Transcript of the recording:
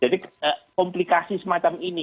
jadi komplikasi semacam ini